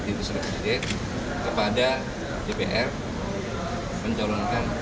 jadi itu sudah presiden kepada jpr mencalonkan